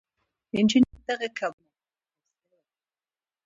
انجنير دغه کباړي ته يوه مهمه توصيه وکړه.